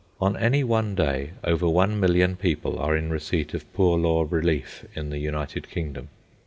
On any one day, over 1,000,000 people are in receipt of poor law relief in the United Kingdom.